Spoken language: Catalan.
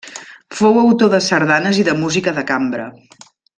Fou autor de sardanes i de música de cambra.